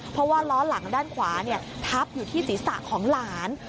เพราะว่าล้อหลังด้านขวาทับอยู่ที่ศีรษะของหลาน